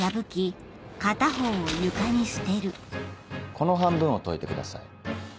この半分を解いてください。